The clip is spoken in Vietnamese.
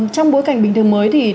trong bối cảnh bình thường mới